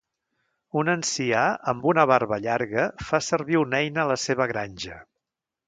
Un ancià amb una barba llarga fa servir una eina a la seva granja